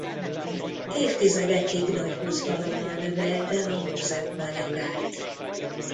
Évtizedekig nagy buzgalommal növelte a muzeum anyagát.